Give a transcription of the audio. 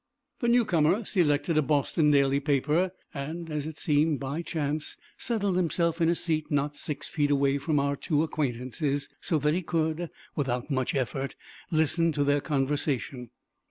The newcomer selected a Boston daily paper, and, as it seemed, by chance, settled himself in a seat not six feet away from our two acquaintances, so that he could, without much effort, listen to their conversation.